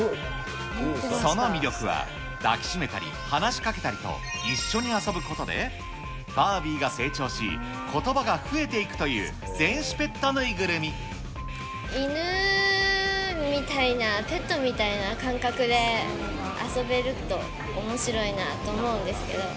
その魅力は、抱き締めたり、話しかけたりと、一緒に遊ぶことで、ファービーが成長し、ことばが増えていくという、犬みたいな、ペットみたいな感覚で遊べるとおもしろいなと思うんですけど。